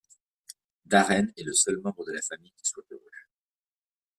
Darren est le seul membre de la famille qui soit heureux.